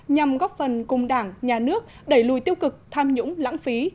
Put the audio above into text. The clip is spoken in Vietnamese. nhằm góp phần cùng đảng nhà nước đẩy lùi tiêu cực tham nhũng lãng phí